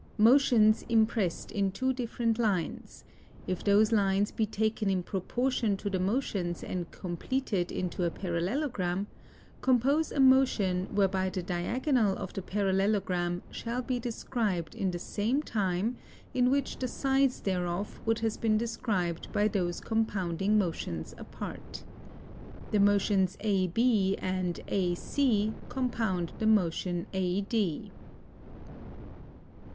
Motions imprest in two different lines, if those lines be taken in proportion to the motions & completed into a parallelogram, compose a motion whereby the diagonal of the Parallelogram shall be described in the same time in which the sides thereof would have been described by those compounding motions apart. The motions AB & AC compound the motion AD.